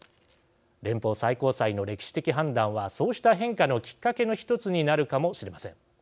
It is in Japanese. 連邦最高裁の歴史的判断はそうした変化のきっかけの１つになるかもしれません。